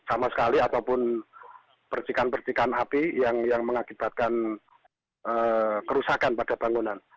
sama sekali ataupun percikan percikan api yang mengakibatkan kerusakan pada bangunan